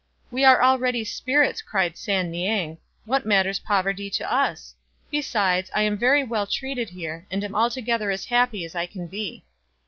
" We are already spirits," cried San niang ;" what mat ters poverty to us ? Besides, I am very well treated here, and am altogether as happy as I can be."